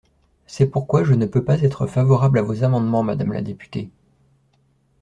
C’est pourquoi je ne peux pas être favorable à vos amendements, madame la députée.